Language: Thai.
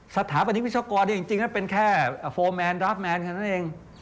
สถาปนิวิศวกรจริงนะเป็นแค่โฟร์แมนดราฟแมนแค่นั้นเอง